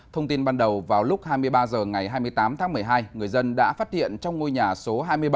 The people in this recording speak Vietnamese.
thông tin ban đầu vào lúc hai mươi ba h ngày hai mươi tám tháng một mươi hai người dân đã phát hiện trong ngôi nhà số hai mươi bảy